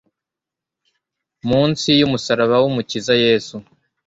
Munsi yumusaraba wumukiza Yesu